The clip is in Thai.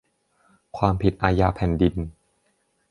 ความผิดอาญาแผ่นดิน